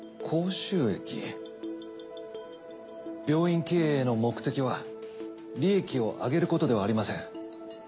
病院経営の目的は利益を上げることではありません。